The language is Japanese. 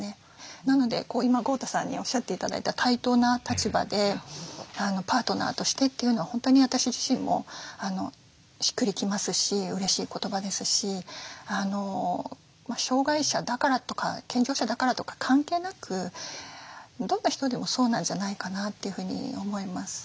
なので今豪太さんにおっしゃって頂いた対等な立場でパートナーとしてというのは本当に私自身もしっくり来ますしうれしい言葉ですし障害者だからとか健常者だからとか関係なくどんな人でもそうなんじゃないかなというふうに思います。